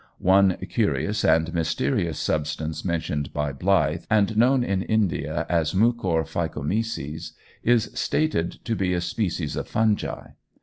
One curious and mysterious substance mentioned by Blyth, and known in India as Mucor phycomyces, is stated to be a species of fungi.